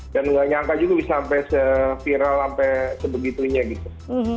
dan nggak nyangka juga bisa sampai viral sampai sebegitunya gitu